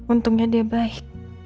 untungnya dia baik